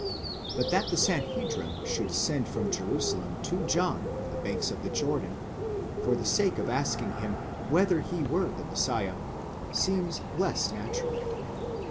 But that the Sanhedrim should send from Jerusalem to John on the banks of the Jordan, for the sake of asking him whether he were the Messiah, seems less natural.